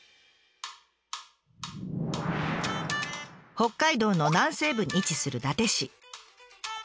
北海道の南西部に位置する伊達市。